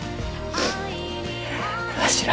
わしら。